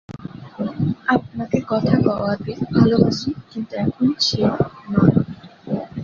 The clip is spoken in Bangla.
আপনাকে কথা কওয়াতে ভালোবাসি কিন্তু এখন সে নয়।